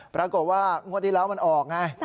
ปรากฏว่างวดที่แล้วมันออกไง